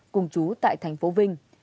cùng chú tại thành phố vinh